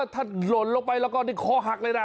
ถ้าหล่นลงไปแล้วก็นี่คอหักเลยนะ